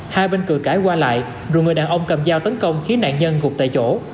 hai bên cửa cãi qua lại rồi người đàn ông cầm dao tấn công khiến nạn nhân gục tại chỗ